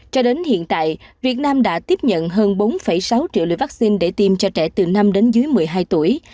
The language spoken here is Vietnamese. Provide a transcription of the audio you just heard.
cho đến hiện tại việt nam đã tiếp nhận hơn bốn sáu triệu liều vaccine để tiêm cho trẻ từ năm đến dưới một mươi hai tuổi